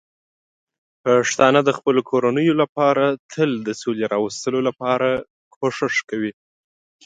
پښتانه د خپلو کورنیو لپاره تل د سولې راوستلو لپاره کوښښ کوي.